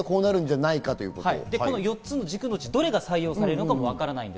４つの軸うち、どれが採用されるのかも分かっていません。